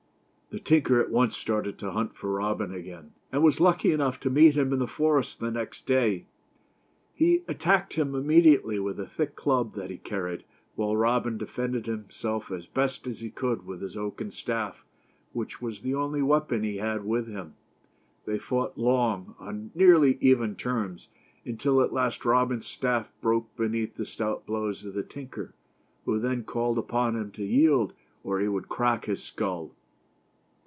The tinker at once started to hunt for Robin again ; and was lucky enough to meet him in the forest the next day. He attacked him immediately with a thick club that he car ried, while Robin defended himself as best he could with his 219 THE STORY OF ROBIN HOOD. oaken staff, which was the only weapon he had with him. They fought long, on nearly even terms, until at last Robin's staff broke beneath the stout blows of the tinker, who then called upon him to yield or he would crack his skull.